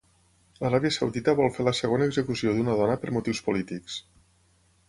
L'Aràbia Saudita vol fer la segona execució d'una dona per motius polítics.